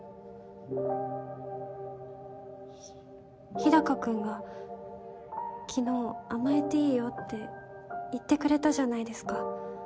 日高君が昨日「甘えていいよ」って言ってくれたじゃないですか。